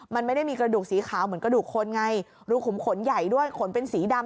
มันไม่ได้มีกระดูกสีขาวเหมือนกระดูกคนไงรูขุมขนใหญ่ด้วยขนเป็นสีดำ